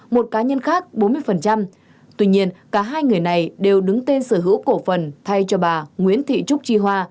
một cá nhân khác bốn mươi tuy nhiên cả hai người này đều đứng tên sở hữu cổ phần thay cho bà nguyễn thị trúc chi hoa